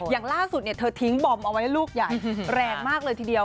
อย่างล่าสุดเธอทิ้งบอมเอาไว้ลูกใหญ่แรงมากเลยทีเดียว